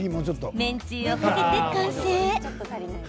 麺つゆをかけて完成。